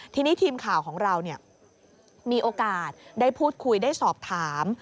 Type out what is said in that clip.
ทีนี้ทีมข่าวของเรามีโอกาสได้พูดคุยได้สอบถาม